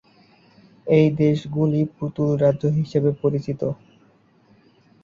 এই দেশগুলি পুতুল রাজ্য হিসাবে পরিচিত।